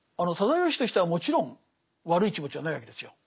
直義という人はもちろん悪い気持ちはないわけですよ。